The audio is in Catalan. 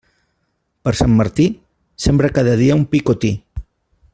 Per Sant Martí, sembra cada dia un picotí.